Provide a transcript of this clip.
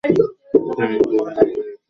কিন্তু জানবি, ও-সব মূহূর্তকালস্থায়ী।